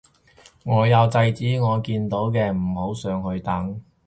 我有制止我見到嘅唔好上去等